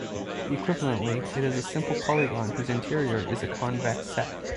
Equivalently, it is a simple polygon whose interior is a convex set.